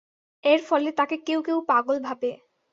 এর ফলে তাকে কেউ কেউ পাগল ভাবে।